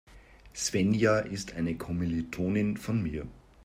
Svenja ist eine Kommilitonin von mir.